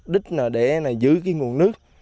đích để giữ nguồn nước